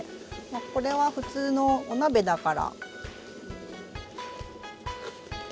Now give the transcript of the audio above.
これは普通のお鍋だから。